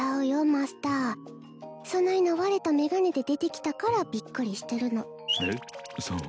マスターそないな割れたメガネで出てきたからびっくりしてるのえっそう？